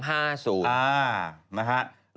อ่านะครับ